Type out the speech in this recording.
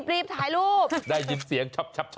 รีบถ่ายรูปได้ยินเสียงชอบ